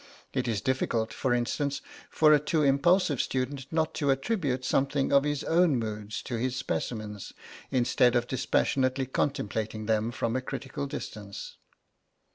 It is difficult, for instance, for a too impulsive student not to attribute something of his own moods to his specimens instead of dispassionately contemplating them from a critical distance.